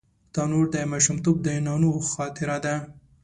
تنور د ماشومتوب د نانو خاطره ده